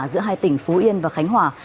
giữa hai tỉnh phú yên và khánh hòa